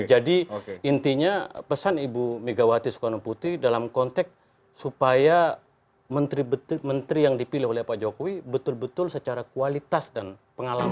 jadi intinya pesan ibu megawati soekarnoputri dalam konteks supaya menteri yang dipilih oleh pak jokowi betul betul secara kualitas dan pengalaman itu